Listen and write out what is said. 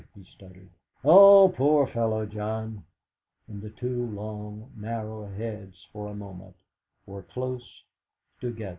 he stuttered. "Oh, poor fellow, John!" And the two long and narrow heads for a moment were close together.